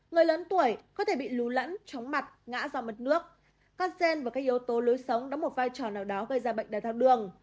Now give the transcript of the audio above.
người lớn tuổi có thể bị lú lẫn chóng mặt ngã do mất nước các gen và các yếu tố lưới sống đóng một vai trò nào đó gây ra bệnh đáy thái đường